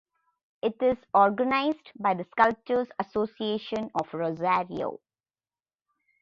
It is organized by the Sculptors Association of Rosario.